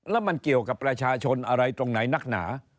แล้วมันเกี่ยวกับประชาชนอะไรตรงไหนนักหนา